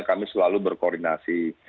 kami selalu berkoordinasi